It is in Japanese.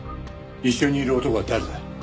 一緒にいる男は誰だ？